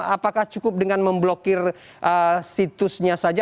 apakah cukup dengan memblokir situsnya saja